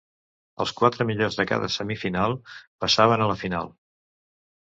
Els quatre millors de cada semifinal passaven a la final.